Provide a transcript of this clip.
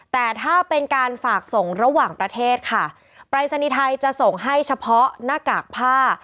แต่ถ้าเป็นการฝากส่งระหว่างประเทศค่ะปรายศนีย์ไทยจะส่งให้เฉพาะหน้ากากผ้า